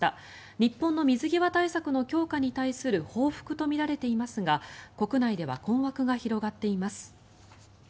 日本の水際対策の強化に対する報復とみられていますが国内では困惑が広がっています。